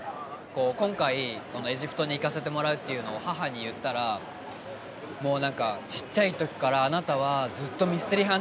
今回エジプトに行かせてもらうって母に言ったらもう何か「ちっちゃい時からあなたはずっとミステリーハンターに」